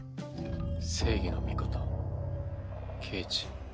正義の味方刑事。